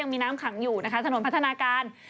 มีน้ำขังอยู่นะคะถนนพัฒนาการ